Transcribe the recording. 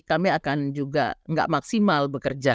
kami akan juga nggak maksimal bekerja